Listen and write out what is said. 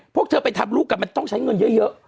พวกเธอไปทำลูกกันมันต้องใช้เงินเยอะ